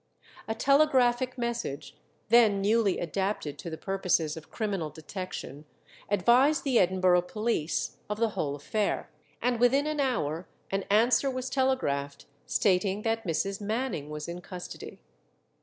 A telegraphic message, then newly adapted to the purposes of criminal detection, advised the Edinburgh police of the whole affair, and within an hour an answer was telegraphed, stating that Mrs. Manning was in custody.